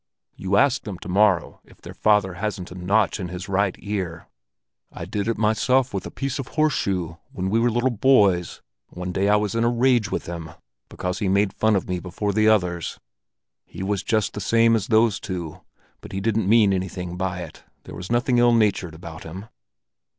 You ask them tomorrow if their father hasn't a notch in his right ear! I did it myself with a piece of a horse shoe when we were little boys one day I was in a rage with him because he made fun of me before the others. He was just the same as those two, but he didn't mean anything by it, there was nothing ill natured about him."